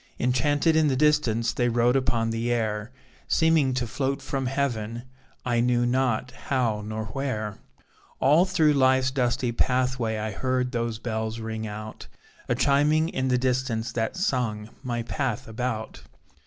Enchanted in the distance, They rode upon the air, Seeming to float from Heaven; I knew not how nor where. All through life's dusty pathway, I heard those bells ring out, A chiming in the distance, That sung, my path about.